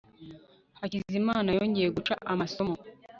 hakizimana yongeye guca amasomo